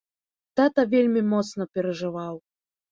Тата вельмі моцна перажываў.